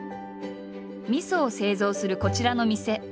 みそを製造するこちらの店。